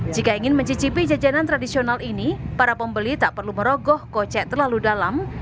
jika ingin mencicipi jajanan tradisional ini para pembeli tak perlu merogoh kocek terlalu dalam